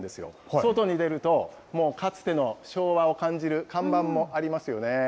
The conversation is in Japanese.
外に出ると、かつての昭和を感じる看板もありますよね。